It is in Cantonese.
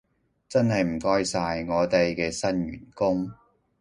真係唔該晒，我哋嘅新員工